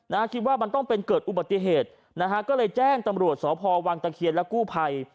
คิดว่ามันต้องเป็นเกิดอุบัติเหตุนะฮะก็เลยแจ้งตำรวจสพวังตะเคียนและกู้ภัย